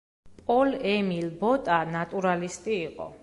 პოლ-ემილ ბოტა ნატურალისტი იყო.